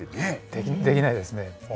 できないですね。